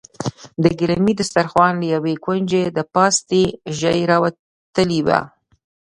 د ګيلمي دسترخوان له يوه کونجه د پاستي ژۍ راوتلې وه.